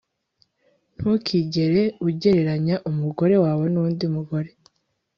Ntukigere ugereranya umugore wawe nundi mugore